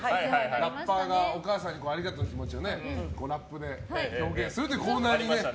ラッパーがお母さんにありがとうっていう気持ちをラップで表現するというコーナーにゲストで。